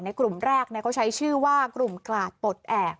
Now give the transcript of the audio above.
กลุ่มแรกเขาใช้ชื่อว่ากลุ่มกลาดปลดแอบ